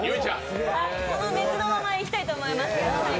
この熱のままいきたいと思います。